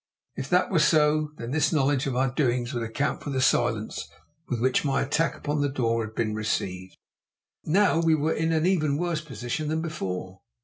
If that were so, then this knowledge of our doings would account for the silence with which my attack upon the door had been received. Now we were in an even worse position than before.